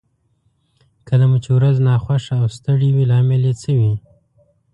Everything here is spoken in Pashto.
کله مو چې ورځ ناخوښه او ستړې وي لامل يې څه وي؟